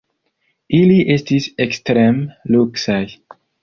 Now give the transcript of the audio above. Ili estis ekstreme luksaj.